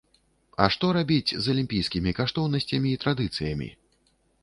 А што рабіць з алімпійскімі каштоўнасцямі і традыцыямі?